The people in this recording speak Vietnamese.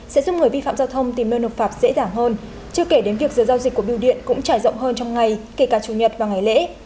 sẽ giúp người vi phạm giao thông tìm nơi nộp phạt dễ dàng hơn chưa kể đến việc giờ giao dịch của biêu điện cũng trải rộng hơn trong ngày kể cả chủ nhật và ngày lễ